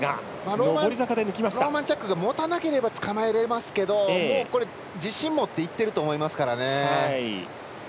ローマンチャックがもたなければつかまえられますけどもう自信を持っていっていると思いますからね。